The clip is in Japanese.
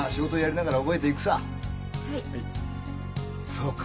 そうか。